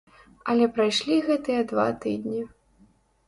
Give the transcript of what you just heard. Але прайшлі гэтыя два тыдні.